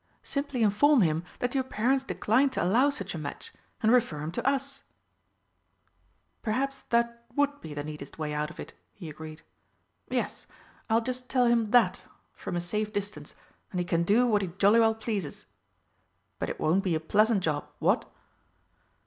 Simply inform him that your parents decline to allow such a match, and refer him to us." "Perhaps that would be the neatest way out of it," he agreed. "Yes, I'll just tell him that from a safe distance and he can do what he jolly well pleases. But it won't be a pleasant job. What?"